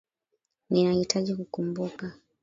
Ninahitaji kukumbuka